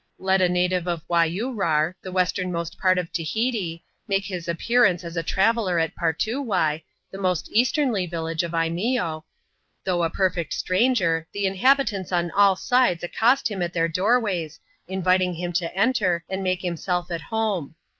Let a native of Waiurar, the westernmost part of Tahiti, make his appearance as a traveller at Fartoowye, the most eastemly village of Imeeo, though a perfect stranger, the inhabitants on ^ sides accost him at their doorways, inviting him to enter, and make himself at home.